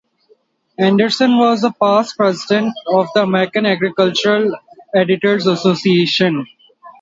Anderson was a past president of the American Agricultural Editors Association.